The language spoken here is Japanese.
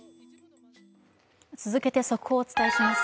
続けて速報をお伝えします。